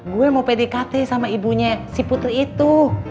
gue mau pdkt sama ibunya si putri itu